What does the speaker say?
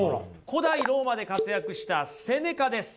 古代ローマで活躍したセネカです。